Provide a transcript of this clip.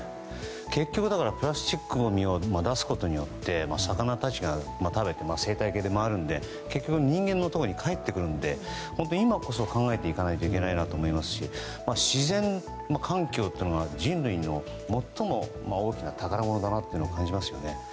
結局、プラスチックごみを出すことによって魚たちが食べて生態系で回るので結局、人間のところにかえってくるので今こそ考えていかないといけないなと思いますし自然環境というものは人類の最も大きな宝物だと感じますよね。